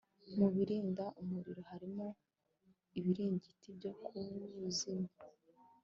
mu birinda umuriro harimo ibiringiti byo kuzimya